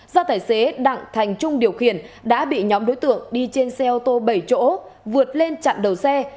do tài xế đặng thành trung điều khiển đã bị nhóm đối tượng đi trên xe ô tô bảy chỗ vượt lên chặn đầu xe